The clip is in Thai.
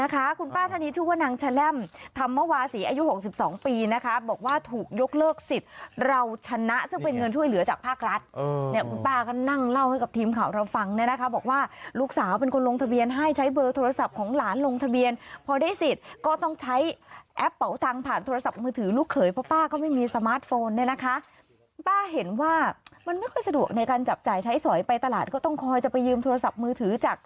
คุณป้าท่านนี้ชื่อว่านางชะแล่มธรรมวาศีอายุ๖๒ปีนะคะบอกว่าถุงยกเลิกสิทธิ์เราชนะซึ่งเป็นเงินช่วยเหลือจากภาครัฐคุณป้าก็นั่งเล่าให้กับทีมข่าวเราฟังนะคะบอกว่าลูกสาวเป็นคนลงทะเบียนให้ใช้เบอร์โทรศัพท์ของหลานลงทะเบียนพอได้สิทธิ์ก็ต้องใช้แอปเปาตังผ่านโทรศัพท์มือถ